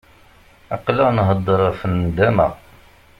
Aql-aɣ nhedder ɣef nndama.